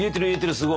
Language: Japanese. すごい。